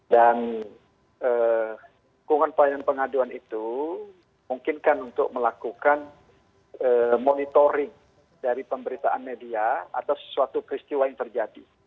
dan dukungan pelayanan dan pengaduan itu mungkinkan untuk melakukan monitoring dari pemberitaan media atas suatu peristiwa yang terjadi